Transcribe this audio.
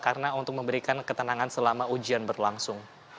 karena untuk memberikan ketenangan selama ujian berlangsung